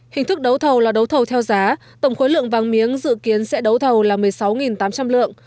hình thức đấu thầu là đấu thầu theo giá tổng khối lượng vàng miếng dự kiến sẽ đấu thầu là một mươi sáu tám trăm linh lượng